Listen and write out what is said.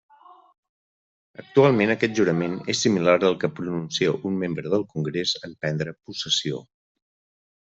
Actualment aquest jurament és similar al que pronuncia un membre del Congrés en prendre possessió.